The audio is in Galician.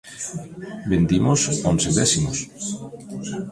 Vendimos once décimos.